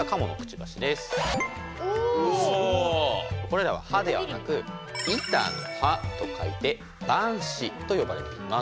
これらは歯ではなく板の歯と書いて板歯と呼ばれています。